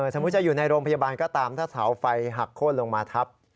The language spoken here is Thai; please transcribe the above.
สมมุติจะอยู่ในโรงพยาบาลก็ตามถ้าเสาไฟหักโค้นลงมาทับ